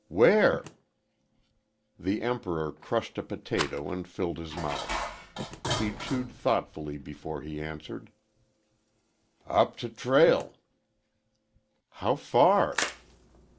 "Where?" The Emperor crushed a potato' and filled' his mouth. He chewed thoughtfully before he answered, "Up t trail." "How far?"